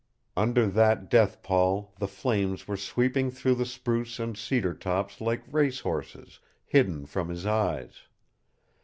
Under that death pall the flames were sweeping through the spruce and cedar tops like race horses, hidden from his eyes.